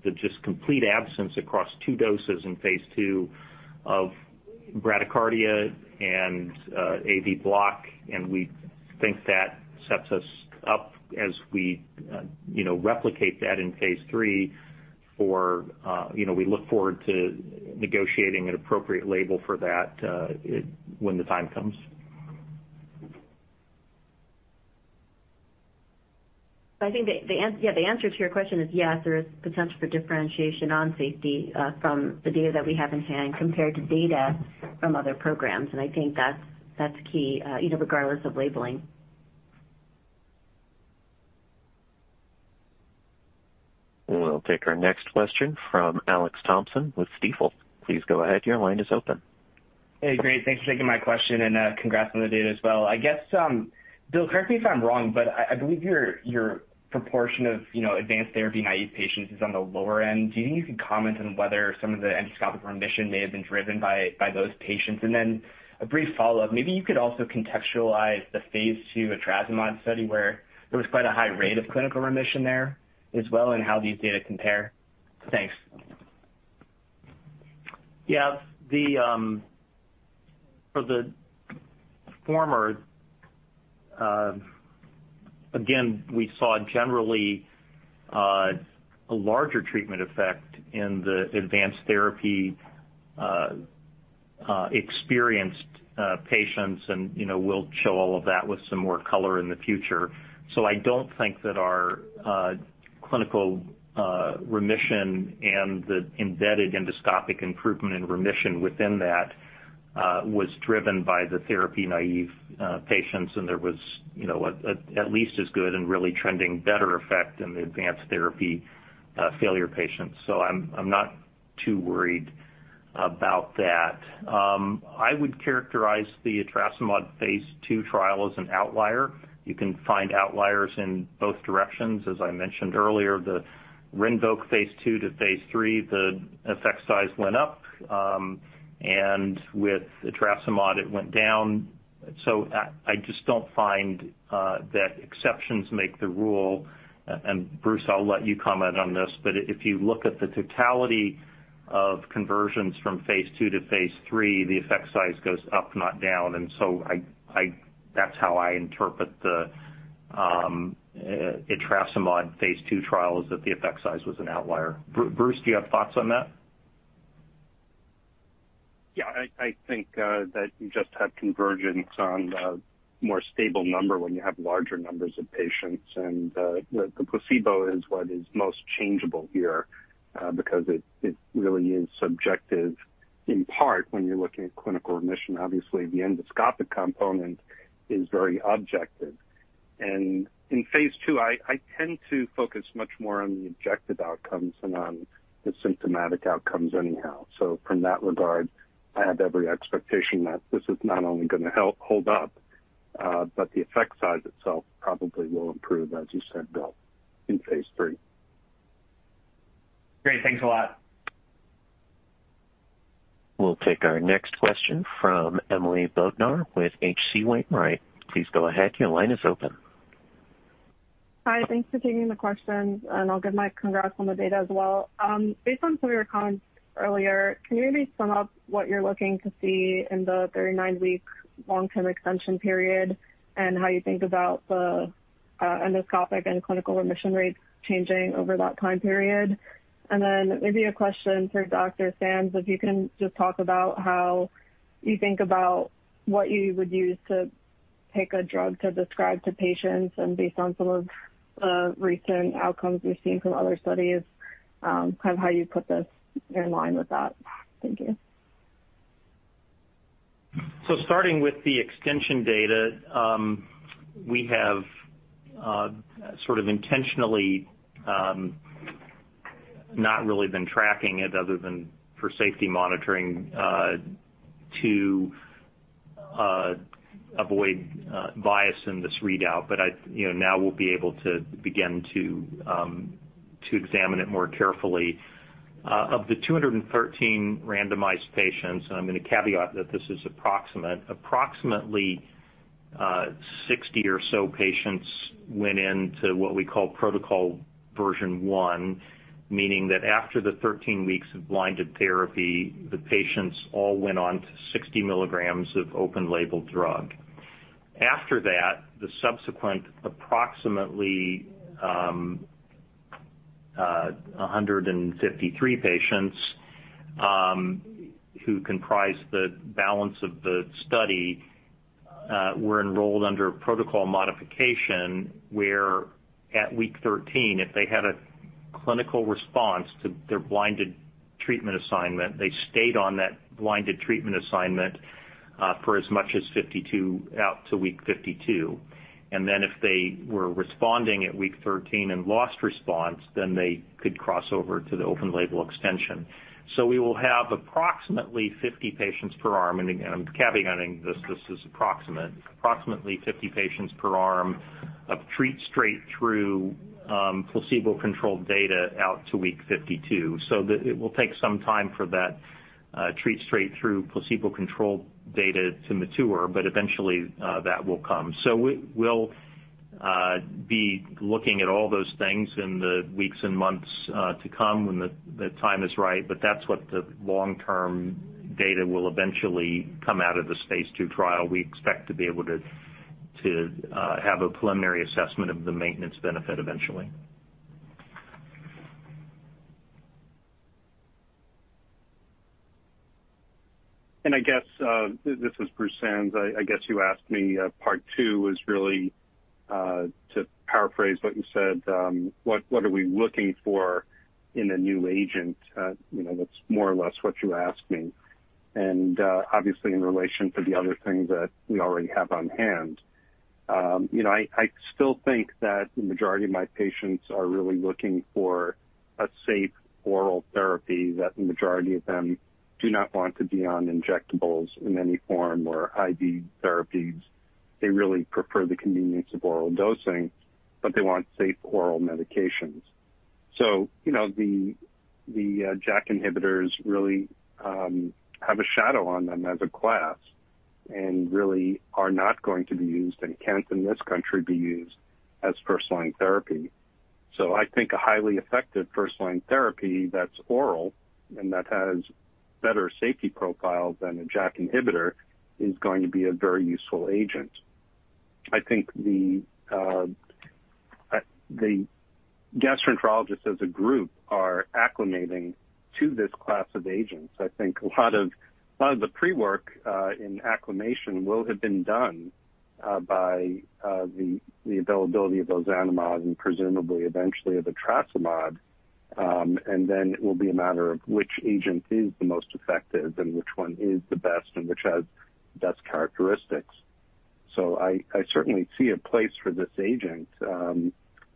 the just complete absence across two doses in phase two of bradycardia and AV block, and we think that sets us up as we replicate that in phase three for. You know, we look forward to negotiating an appropriate label for that, when the time comes. I think the answer to your question is yes, there is potential for differentiation on safety from the data that we have in hand compared to data from other programs. And I think that's key, you know, regardless of labeling. We'll take our next question from Alex Thompson with Stifel. Please go ahead. Your line is open. Hey, great. Thanks for taking my question, and congrats on the data as well. I guess, Bill, correct me if I'm wrong, but I believe your proportion of, you know, advanced therapy-naive patients is on the lower end. Do you think you could comment on whether some of the endoscopic remission may have been driven by those patients? And then a brief follow-up, maybe you could also contextualize the phase II etrasimod study, where there was quite a high rate of clinical remission there as well, and how these data compare. Thanks. Yeah. The, for the former, again, we saw generally a larger treatment effect in the advanced therapy experienced patients, and, you know, we'll show all of that with some more color in the future. So I don't think that our clinical remission and the embedded endoscopic improvement in remission within that was driven by the therapy-naive patients, and there was, you know, at least as good and really trending better effect in the advanced therapy failure patients. So I'm not too worried about that. I would characterize the etrasimod phase II trial as an outlier. You can find outliers in both directions. As I mentioned earlier, the RINVOQ phase II to phase III, the effect size went up, and with etrasimod, it went down. I just don't find that exceptions make the rule. Bruce, I'll let you comment on this, but if you look at the totality of conversions from phase II to phase III, the effect size goes up, not down. I- that's how I interpret the etrasimod phase II trials, that the effect size was an outlier. Bruce, do you have thoughts on that? Yeah, I think that you just have convergence on the more stable number when you have larger numbers of patients, and the placebo is what is most changeable here, because it really is subjective in part, when you're looking at clinical remission. Obviously, the endoscopic component is very objective. And in phase II, I tend to focus much more on the objective outcomes than on the symptomatic outcomes anyhow. So from that regard, I have every expectation that this is not only gonna help hold up, but the effect size itself probably will improve, as you said, Bill, in phase III. Great. Thanks a lot. We'll take our next question from Emily Bodnar with H.C. Wainwright. Please go ahead. Your line is open. Hi, thanks for taking the questions, and I'll give my congrats on the data as well. Based on some of your comments earlier, can you maybe sum up what you're looking to see in the 39-week long-term extension period, and how you think about the endoscopic and clinical remission rates changing over that time period? And then maybe a question for Dr. Sands, if you can just talk about how you think about what you would use to pick a drug to prescribe to patients and based on some of the recent outcomes we've seen from other studies, kind of how you put this in line with that. Thank you. So starting with the extension data, we have sort of intentionally not really been tracking it other than for safety monitoring to avoid bias in this readout. But I, you know, now we'll be able to begin to examine it more carefully. Of the 213 randomized patients, I'm going to caveat that this is approximate. Approximately 60 or so patients went into what we call protocol version one, meaning that after the 13 weeks of blinded therapy, the patients all went on to 60 milligrams of open label drug. After that, the subsequent approximately 153 patients who comprise the balance of the study were enrolled under a protocol modification, where at week 13, if they had a clinical response to their blinded treatment assignment, they stayed on that blinded treatment assignment for as much as 52, out to week 52. And then if they were responding at week 13 and lost response, then they could cross over to the open label extension. So we will have approximately 50 patients per arm, and again, I'm caveating this, this is approximate. Approximately 50 patients per arm of treat straight through placebo-controlled data out to week 52. So it will take some time for that treat straight through placebo-controlled data to mature, but eventually that will come. So we'll be looking at all those things in the weeks and months to come when the time is right, but that's what the long-term data will eventually come out of the Phase II trial. We expect to be able to have a preliminary assessment of the maintenance benefit eventually. I guess, this is Bruce Sands. I guess you asked me, part two is really, to paraphrase what you said, what are we looking for in a new agent? You know, that's more or less what you asked me. And, obviously, in relation to the other things that we already have on hand. You know, I still think that the majority of my patients are really looking for a safe oral therapy, that the majority of them do not want to be on injectables in any form, or IV therapies. They really prefer the convenience of oral dosing, but they want safe oral medications. So, you know, the JAK inhibitors really have a shadow on them as a class and really are not going to be used and can't, in this country, be used as first-line therapy. So I think a highly effective first-line therapy that's oral and that has better safety profile than a JAK inhibitor is going to be a very useful agent. I think the gastroenterologists as a group are acclimating to this class of agents. I think a lot of the pre-work in acclimation will have been done by the availability of ozanimod and presumably eventually of etrasimod. And then it will be a matter of which agent is the most effective and which one is the best and which has best characteristics. So I certainly see a place for this agent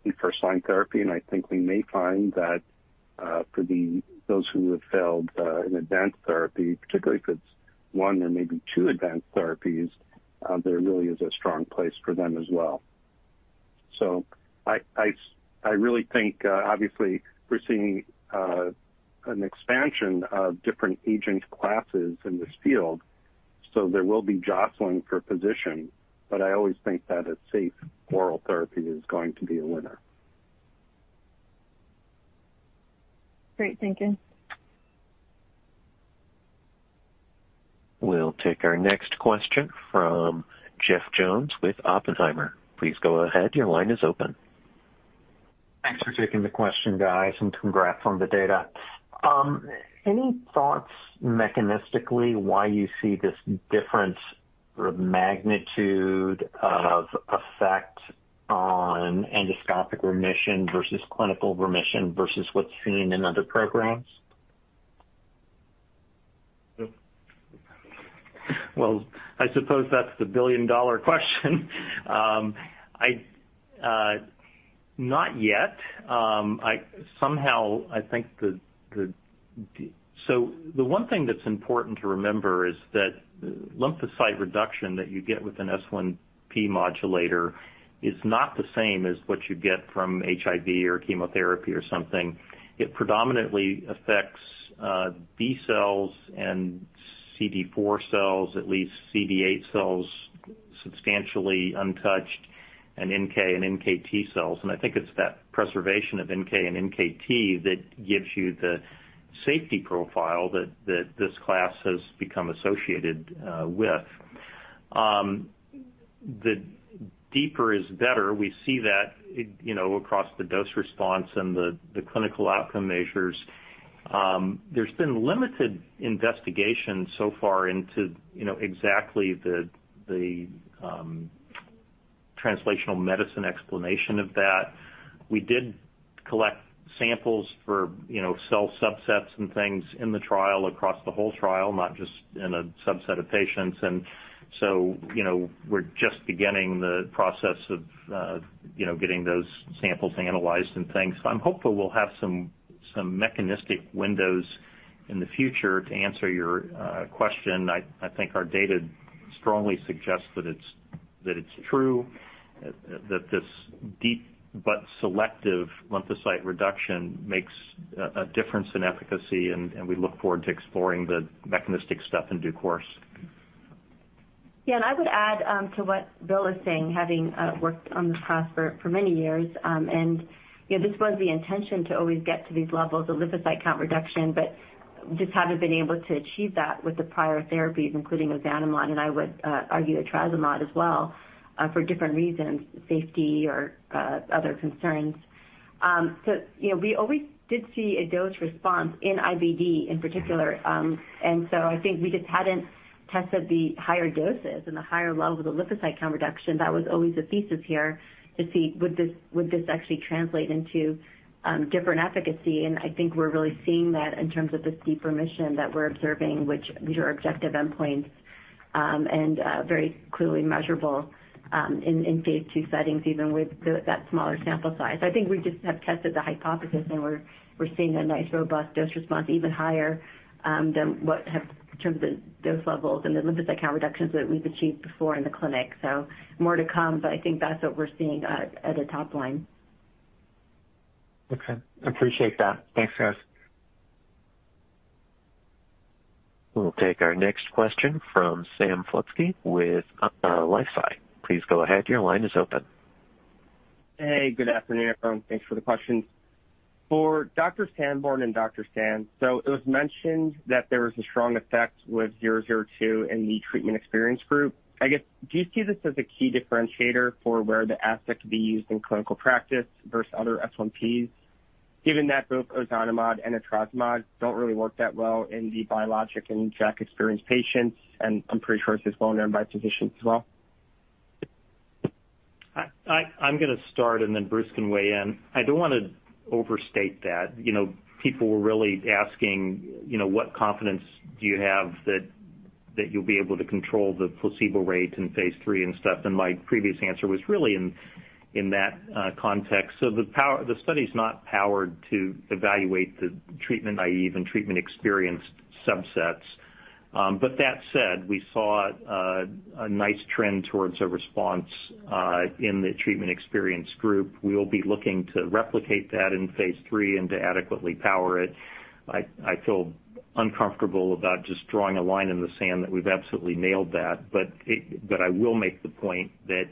in first-line therapy, and I think we may find that for those who have failed an advanced therapy, particularly if it's one or maybe two advanced therapies, there really is a strong place for them as well. So I really think, obviously we're seeing an expansion of different agent classes in this field, so there will be jostling for position, but I always think that a safe oral therapy is going to be a winner. Great. Thank you. We'll take our next question from Jeff Jones with Oppenheimer. Please go ahead. Your line is open. Thanks for taking the question, guys, and congrats on the data. Any thoughts mechanistically, why you see this difference or magnitude of effect on endoscopic remission versus clinical remission versus what's seen in other programs? Well, I suppose that's the billion-dollar question. Not yet. So the one thing that's important to remember is that lymphocyte reduction that you get with an S1P modulator is not the same as what you get from HIV or chemotherapy or something. It predominantly affects B cells and CD4 cells, at least CD8 cells, substantially untouched, and NK and NKT cells. And I think it's that preservation of NK and NKT that gives you the safety profile that this class has become associated with. The deeper is better. We see that you know across the dose response and the clinical outcome measures. There's been limited investigation so far into you know exactly the translational medicine explanation of that. We did collect samples for, you know, cell subsets and things in the trial, across the whole trial, not just in a subset of patients. And so, you know, we're just beginning the process of, you know, getting those samples analyzed and things. So I'm hopeful we'll have some, some mechanistic windows in the future to answer your, question. I, I think our data strongly suggests that it's, that it's true, that this deep but selective lymphocyte reduction makes a, a difference in efficacy, and, and we look forward to exploring the mechanistic stuff in due course. Yeah, and I would add to what Bill is saying, having worked on this product for many years. And, you know, this was the intention to always get to these levels of lymphocyte count reduction, but just haven't been able to achieve that with the prior therapies, including ozanimod, and I would argue etrasimod as well, for different reasons, safety or other concerns. So, you know, we always did see a dose response in IBD in particular. And so I think we just hadn't tested the higher doses and the higher level of the lymphocyte count reduction. That was always a thesis here to see, would this actually translate into different efficacy? I think we're really seeing that in terms of this deeper mission that we're observing, which these are objective endpoints, and very clearly measurable, in phase two settings, even with that smaller sample size. I think we just have tested the hypothesis, and we're seeing a nice, robust dose response even higher than what have, in terms of the dose levels and the lymphocyte count reductions that we've achieved before in the clinic. More to come, but I think that's what we're seeing at the top line. Okay. Appreciate that. Thanks, guys. We'll take our next question from Sam Slutsky with LifeSci. Please go ahead. Your line is open. Hey, good afternoon. Thanks for the question. For Dr. Sandborn and Dr. Sands, so it was mentioned that there was a strong effect with 002 in the treatment-experienced group. I guess, do you see this as a key differentiator for where the asset could be used in clinical practice versus other S1Ps, given that both ozanimod and etrasimod don't really work that well in the biologic and JAK-experienced patients, and I'm pretty sure it's well known by physicians as well? I'm gonna start, and then Bruce can weigh in. I don't want to overstate that. You know, people were really asking, you know, what confidence do you have that, that you'll be able to control the placebo rate in phase III and stuff, and my previous answer was really in, in that context. So the power, the study's not powered to evaluate the treatment-naive and treatment-experienced subsets. But that said, we saw a, a nice trend towards a response in the treatment-experienced group. We will be looking to replicate that in phase III and to adequately power it. I feel uncomfortable about just drawing a line in the sand that we've absolutely nailed that. But I will make the point that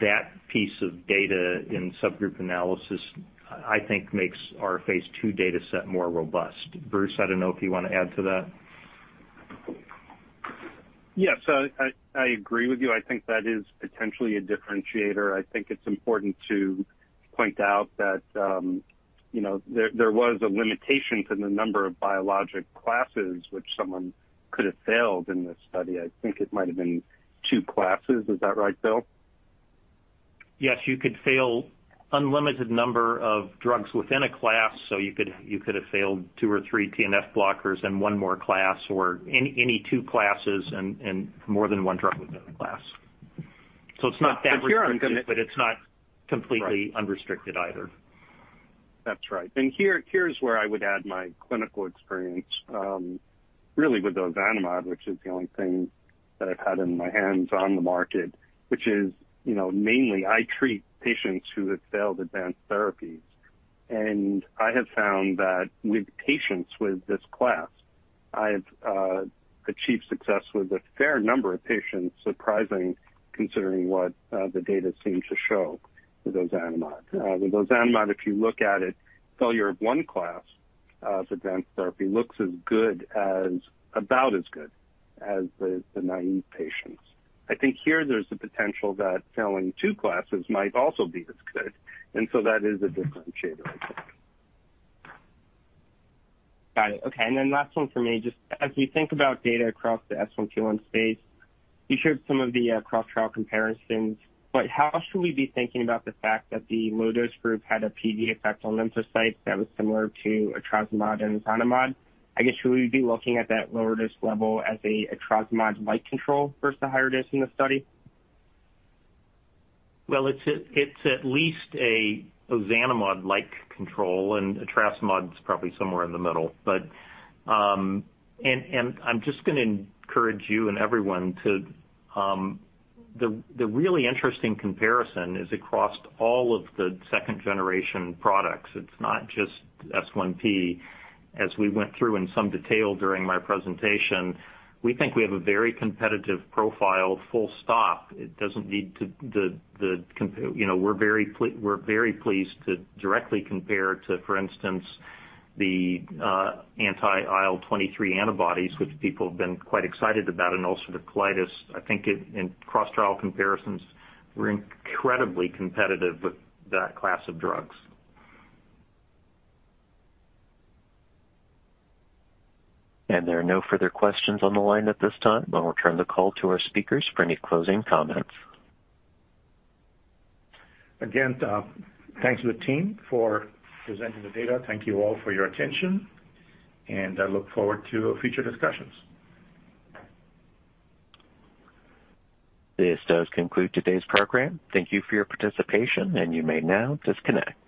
that piece of data in subgroup analysis, I think, makes our phase II data set more robust. Bruce, I don't know if you want to add to that. Yes, I agree with you. I think that is potentially a differentiator. I think it's important to point out that, you know, there was a limitation to the number of biologic classes which someone could have failed in this study. I think it might have been two classes. Is that right, Bill? Yes, you could fail unlimited number of drugs within a class, so you could, you could have failed two or three TNF blockers and one more class, or any, any two classes and, and more than one drug within a class. So it's not that restricted- But here, I'm gonna- But it's not completely- Right Unrestricted either. That's right. And here, here's where I would add my clinical experience, really with ozanimod, which is the only thing that I've had in my hands on the market, which is, you know, mainly I treat patients who have failed advanced therapies. And I have found that with patients with this class, I've achieved success with a fair number of patients, surprising, considering what the data seems to show with ozanimod. With ozanimod, if you look at it, failure of one class of advanced therapy looks as good as, about as good as the naive patients. I think here there's a potential that failing two classes might also be as good, and so that is a differentiator, I think. Got it. Okay, and then last one for me. Just as we think about data across the S1P1 space, you showed some of the cross-trial comparisons, but how should we be thinking about the fact that the low-dose group had a PD effect on lymphocytes that was similar to etrasimod and ozanimod? I guess, should we be looking at that lower-dose level as a etrasimod-like control versus the higher dose in the study? Well, it's at least a Zeposia-like control, and Velsipity is probably somewhere in the middle. I'm just gonna encourage you and everyone to, the really interesting comparison is across all of the second-generation products. It's not just S1P. As we went through in some detail during my presentation, we think we have a very competitive profile, full stop. It doesn't need to, the, the, comp-- You know, we're very pleased to directly compare to, for instance, the anti-IL-23 antibodies, which people have been quite excited about in ulcerative colitis. I think in cross-trial comparisons, we're incredibly competitive with that class of drugs. There are no further questions on the line at this time. I'll return the call to our speakers for any closing comments. Again, thanks to the team for presenting the data. Thank you all for your attention, and I look forward to future discussions. This does conclude today's program. Thank you for your participation, and you may now disconnect.